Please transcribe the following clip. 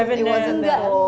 itu bukan hanya